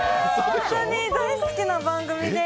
本当に大好きな番組で。